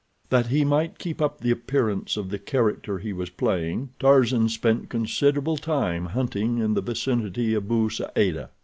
That he might keep up the appearance of the character he was playing, Tarzan spent considerable time hunting in the vicinity of Bou Saada.